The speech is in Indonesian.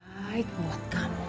baik buat kamu